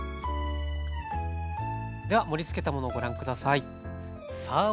では盛りつけたものをご覧下さい。